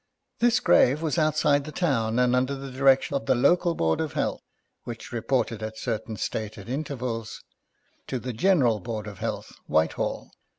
This grave was out side the town, and under the direction of the Local Board of Health, which reported at certain stated intervals to the General Board of Health, Whitehall.